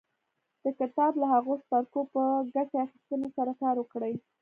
د کتاب له هغو څپرکو په ګټې اخيستنې سره کار وکړئ.